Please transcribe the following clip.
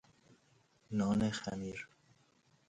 نان خمیر